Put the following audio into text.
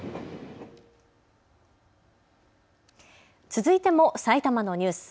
続いても埼玉のニュース。